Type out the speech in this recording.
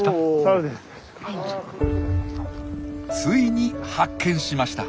ついに発見しました。